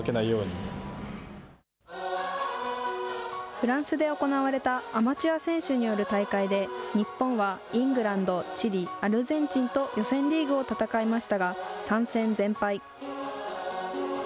フランスで行われたアマチュア選手による大会で、日本はイングランド、チリ、アルゼンチンと予選リーグを戦いましたが、３戦全敗。